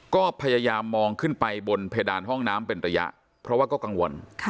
ก็พยายามมองขึ้นไปบนเพดานห้องน้ำเป็นระยะเพราะว่าก็กังวล